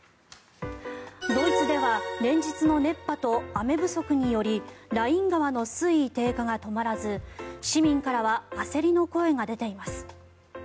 ドイツでは連日の熱波と雨不足によりライン川の水位低下が止まらず市民からは焦りの声が出ています。